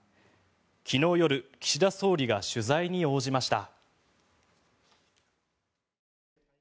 昨日夜岸田総理が取材に応じました。